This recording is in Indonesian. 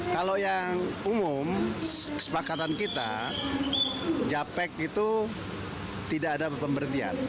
kalau yang umum kesepakatan kita japek itu tidak ada pemberhentian